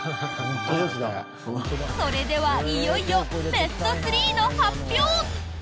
それでは、いよいよベスト３の発表！